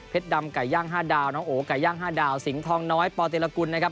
ดำไก่ย่าง๕ดาวน้องโอ๋ไก่ย่าง๕ดาวสิงหองน้อยปเตรกุลนะครับ